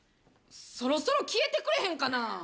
そろそろ消えてくれへんかな